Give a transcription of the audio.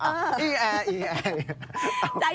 อ้าวอีแอร์อีแอร์